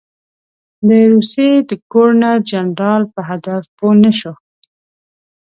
د روسیې د ګورنر جنرال په هدف پوه نه شو.